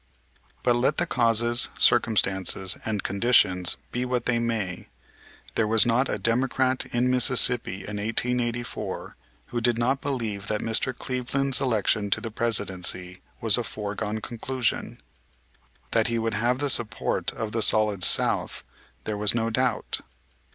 But, let the causes, circumstances, and conditions be what they may, there was not a Democrat in Mississippi in 1884 who did not believe that Mr. Cleveland's election to the Presidency was a foregone conclusion. That he would have the support of the Solid South there was no doubt.